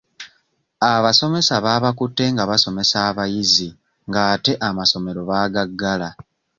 Abasomesa baabakutte nga basomesa abayizi ng'ate amasomero baagagala.